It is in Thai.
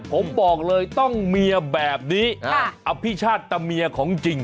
ผมบอกเลยต้องเมียแบบนี้อภิชาติตะเมียของจริง